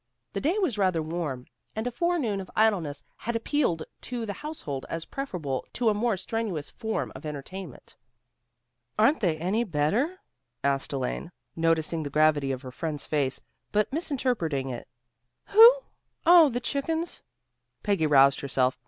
The day was rather warm, and a forenoon of idleness had appealed to the household as preferable to a more strenuous form of entertainment. "Aren't they any better?" asked Elaine, noticing the gravity of her friend's face, but misinterpreting it. "Who? Oh, the chickens." Peggy roused herself.